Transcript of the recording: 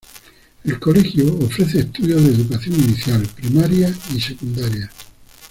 El colegio ofrece estudios de educación inicial, primaria y secundaria.